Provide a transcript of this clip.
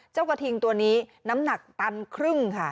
กระทิงตัวนี้น้ำหนักตันครึ่งค่ะ